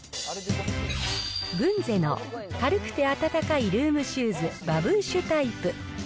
グンゼの軽くて暖かいルームシューズバブーシュタイプ。